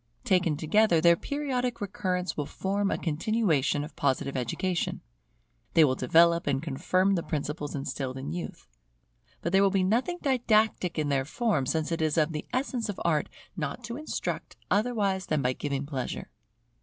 Taken together, their periodic recurrence will form a continuation of Positive education. They will develop and confirm the principles instilled in youth. But there will be nothing didactic in their form; since it is of the essence of Art not to instruct otherwise than by giving pleasure.